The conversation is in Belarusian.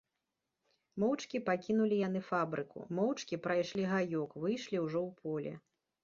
Моўчкі пакінулі яны фабрыку, моўчкі прайшлі гаёк, выйшлі ўжо ў поле.